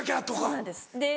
そうなんです。